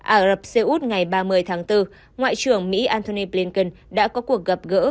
ả rập xê út ngày ba mươi tháng bốn ngoại trưởng mỹ antony blinken đã có cuộc gặp gỡ